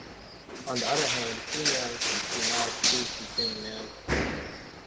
On the other hand, females do not choose between males.